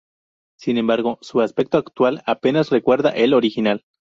Sin embargo, su aspecto actual apenas recuerda el original.